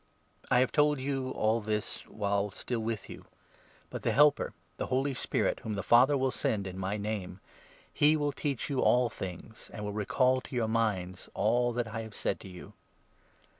I have told you all this while still with you, but the Helper 25, — the Holy Spirit whom the Father will send in my Name — he will teach you all things, and will recall to your minds all that I have said to you.